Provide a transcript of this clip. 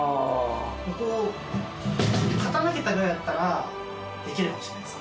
こう傾けたぐらいだったらできるかもしれないですね。